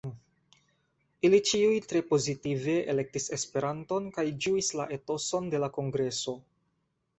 Ili ĉiuj tre pozitive elektis Esperanton kaj ĝuis la etoson de la kongreso.